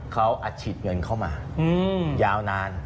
เขาอัดฉีดเงินเข้ามายาวนาน